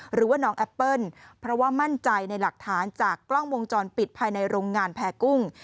หรือว่าน้องแอปเปิ้ลเพราะว่ามั่นใจในหลักฐานจากกล้องวงจรปิดภายในโรงงานแพรกุ้ง